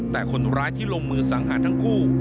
แต่คนร้ายที่ลงมือสังหารทั้งคู่